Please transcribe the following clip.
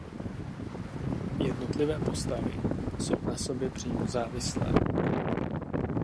Jednotlivé postavy jsou na sobě přímo závislé.